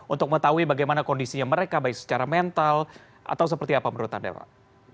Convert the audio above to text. untuk mengetahui bagaimana kondisinya mereka baik secara mental atau seperti apa menurut anda pak